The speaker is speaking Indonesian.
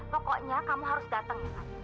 pokoknya kamu harus datang